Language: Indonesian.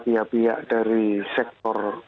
pihak pihak dari sektor